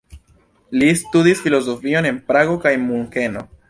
Li studis filozofion en Prago kaj Munkeno.